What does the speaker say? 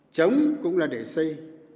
chống cũng là để xây